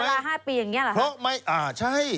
เอาไหมเอาไหมเออนี่เอาไหมอ๋อใช่